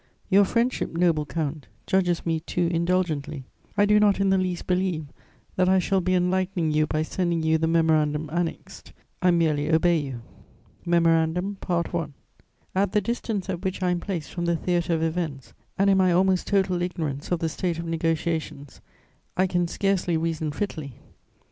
"Your friendship, noble count, judges me too indulgently; I do not in the least believe that I shall be enlightening you by sending you the Memorandum annexed: I merely obey you." MEMORANDUM PART I. "At the distance at which I am placed from the theatre of events, and in my almost total ignorance of the state of negociations, I can scarcely reason fitly.